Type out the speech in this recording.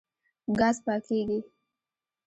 ګاز پاکېږي.